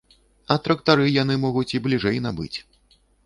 А трактары яны могуць і бліжэй набыць.